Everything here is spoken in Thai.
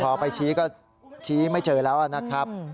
พอไปชี้ก็ชี้ไม่เจอแล้วนะครับ